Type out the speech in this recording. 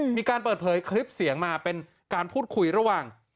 มีการเปิดเผยคลิปเสียงมาเป็นการพูดคุยระหว่าง